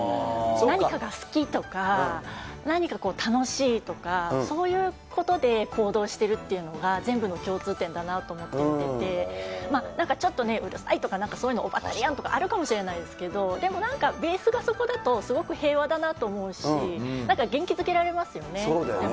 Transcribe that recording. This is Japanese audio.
何かが好きとか、何か楽しいとか、そういうことで行動しているっていうのが、全部の共通点だなと思って見てて、なんかちょっとね、うるさいとか、なんかそういうの、オバタリアンとかあるかもしれないですけど、でもなんかベースがそこだと、すごく平和だなと思うし、そうだよね。